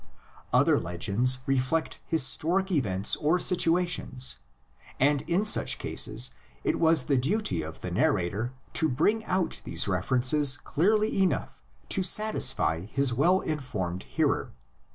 Other legends reflect historic events or situations, and in such cases it was the duty of the narrator to bring out these references clearly enough to satisfy his well informed hearer.